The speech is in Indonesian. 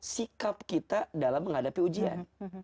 sikap kita dalam menghadapi ujian